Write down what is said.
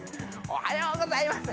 おはようございます。